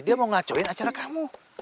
dia mau ngacoin acara kamu